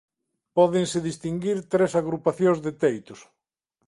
Pódense distinguir tres agrupacións de teitos.